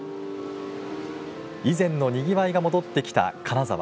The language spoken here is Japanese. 以前のにぎわいが戻ってきた金沢。